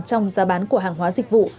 trong giá bán của hàng hóa dịch vụ